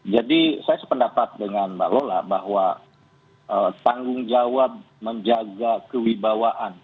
jadi saya sependapat dengan mbak lola bahwa tanggung jawab menjaga kewibawaan